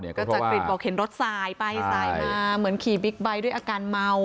อาจจะบอกเห็นรถที่ทรายไปที่ทรายมาเหมือนขี่บิ๊กไบต์ด้วยอาการเมา